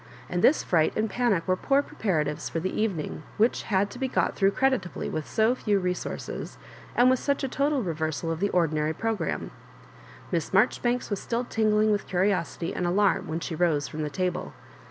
And this fright and panic were poor preparatives for the evening, wbuih had to be got through creditably with so few resources, and with such a total re versal of the ordinary programme. Miss Maijori banks was still tingling with curiosity and alarm when she rose from the table.